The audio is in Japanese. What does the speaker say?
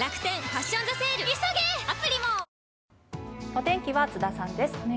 お天気は津田さんです。